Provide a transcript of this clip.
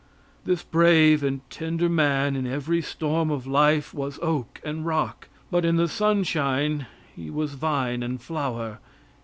This brave and tender man in every storm of life was oak and rock, but in the sunshine he was vine and flower.